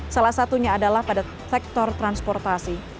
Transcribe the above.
salah satunya adalah pada sektor transportasi